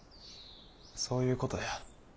そういうことや。